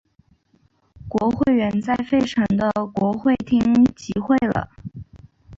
国会原在费城的国会厅集会了。